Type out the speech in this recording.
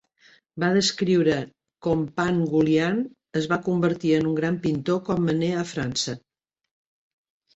Va descriure com Pan Yuliang es va convertir en un gran pintor com Manet a França.